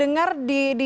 ini an giltar